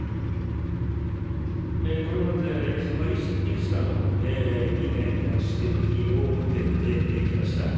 これまでいくつかの疑念や指摘を受けてきました。